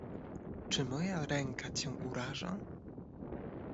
"Czy moja ręka cię uraża?"